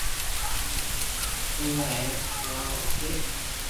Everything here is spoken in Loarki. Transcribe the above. اُو وي ھين س نا ا تي